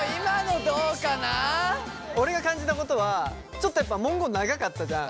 俺が感じたことはちょっとやっぱ文言長かったじゃん？